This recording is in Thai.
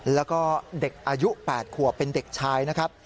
แล้วก็เด็กอายุ๘ขวบเป็นเด็กชายนะครับ